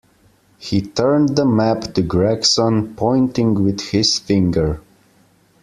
He turned the map to Gregson, pointing with his finger.